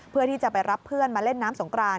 เพื่อที่จะไปรับเพื่อนมาเล่นน้ำสงกราน